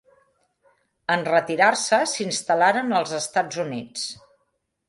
En retirar-se s'instal·laren als Estats Units.